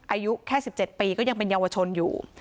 อายุแค่๑๗ปีก็ยังเป็นเยาวชนอยู่